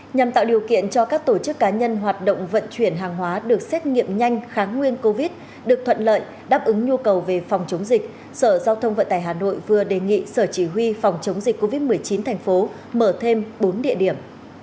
nhằm tạo điều kiện cho các tổ chức cá nhân hoạt động vận chuyển hàng hóa được xét nghiệm nhanh kháng nguyên covid được thuận lợi đáp ứng nhu cầu về phòng chống dịch sở giao thông vận tải hà nội vừa đề nghị sở chỉ huy phòng chống dịch covid một mươi chín thành phố mở thêm bốn địa điểm